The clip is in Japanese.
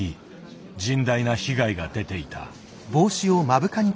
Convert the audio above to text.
甚大な被害が出ていた。